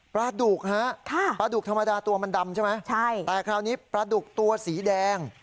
ปลาดุกฮะปลาดุกธรรมดาตัวมันดำใช่ไหมใช่แต่คราวนี้ปลาดุกตัวสีแดง